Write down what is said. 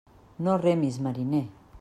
No remis, mariner.